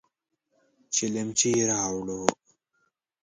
چلمچي يې راووړ.